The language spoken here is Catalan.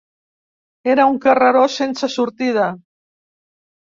Era un carreró sense sortida.